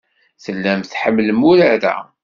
Tellam tḥemmlem urar-a.